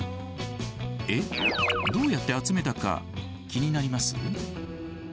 えっどうやって集めたか気になります？